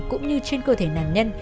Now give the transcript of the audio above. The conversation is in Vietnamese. cũng như trên cơ thể nạn nhân